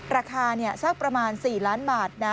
ราคาสักประมาณ๔ล้านบาทนะ